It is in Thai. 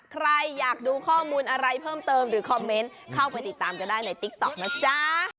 ใครอยากดูข้อมูลอะไรเพิ่มเติมหรือคอมเมนต์เข้าไปติดตามกันได้ในติ๊กต๊อกนะจ๊ะ